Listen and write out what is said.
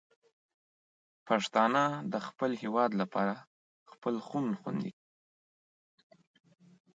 پښتانه د خپل هېواد لپاره خپل خون خوندي کوي.